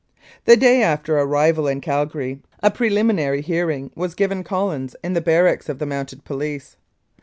"The day after arrival in Calgary, a preliminary hearing was given Collins in the barracks of the Mounted Police.